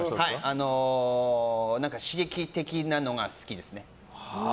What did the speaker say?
刺激的なのが好きです。